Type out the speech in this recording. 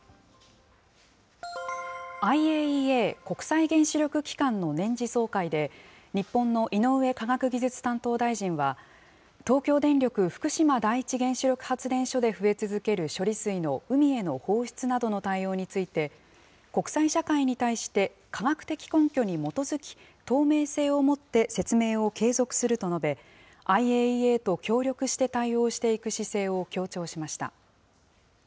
ＩＡＥＡ・国際原子力機関の年次総会で、日本の井上科学技術担当大臣は、東京電力福島第一原子力発電所で増え続ける処理水の海への放出などの対応について、国際社会に対して科学的根拠に基づき、透明性を持って説明を継続すると述べ、ＩＡＥＡと協力して対応していく姿勢を強調しました。